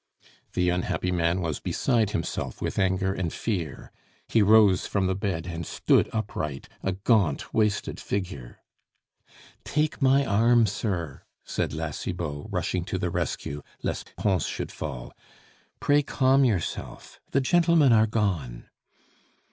The unhappy man was beside himself with anger and fear; he rose from the bed and stood upright, a gaunt, wasted figure. "Take my arm, sir," said La Cibot, rushing to the rescue, lest Pons should fall. "Pray calm yourself, the gentlemen are gone."